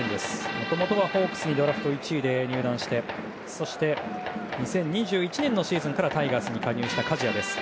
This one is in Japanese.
もともとはホークスにドラフト１位で入団してそして２０２１年のシーズンからタイガースに加入した加治屋。